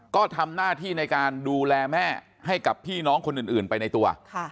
ก็ทำหน้าที่ในการดูแลแม่ให้กับพี่น้องคนอื่นไปในตัว